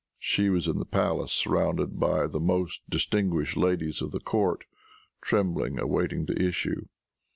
She was in the palace, surrounded by the most distinguished ladies of the court, tremblingly awaiting the issue.